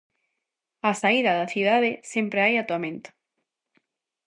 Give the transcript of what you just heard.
Á saída da cidade sempre hai atoamento.